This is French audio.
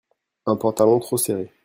un pantalon trop serré.